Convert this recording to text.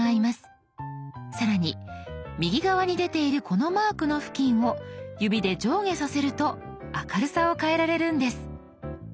更に右側に出ているこのマークの付近を指で上下させると明るさを変えられるんです。